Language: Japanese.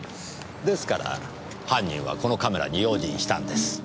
ですから犯人はこのカメラに用心したんです。